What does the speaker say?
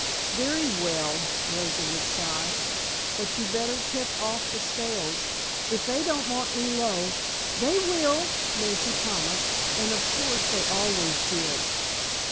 "Very well," Rosa would sigh. "But you better tip off the scales. If they don't mark me low " "They will," Nancy promised, and of course they always did.